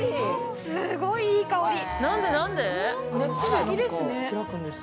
すごいいい香り。